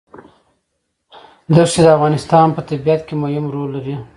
ښتې د افغانستان په طبیعت کې مهم رول لري.